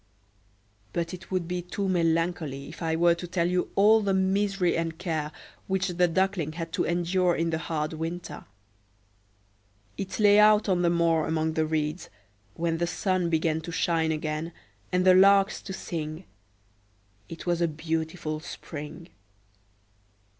But it would be too melancholy if I were to tell all the misery and care which the Duckling had to endure in the hard winter. It lay out on the moor among the reeds, when the sun began to shine again and the larks to sing: it was a beautiful spring.